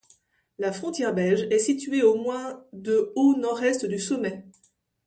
La frontière belge est située à moins de au nord-est du sommet.